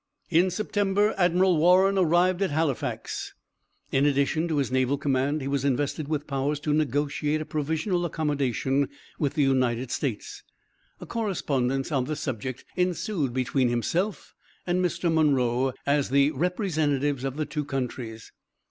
In September Admiral Warren arrived at Halifax. In addition to his naval command, he was invested with powers to negotiate a provisional accommodation with the United States. A correspondence on the subject ensued between himself and Mr. Monroe, as the representatives of the two countries.